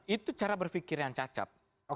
itu cara berpikir yang cacat